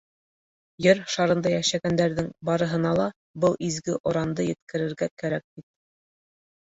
Ер шарында йәшәгәндәрҙең барыһына ла был изге оранды еткерергә кәрәк бит: